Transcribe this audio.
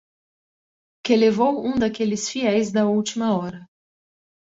que levou um daqueles fiéis da última hora